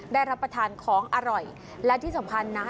ได้รับประทานของอร่อยและที่สำคัญนะ